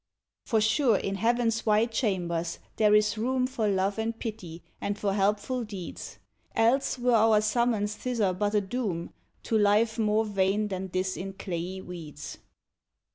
For sure, in Heaven's wide chambers, there is room For love and pity, and for helpful deeds; Else were our summons thither but a doom To life more vain than this in clayey weeds.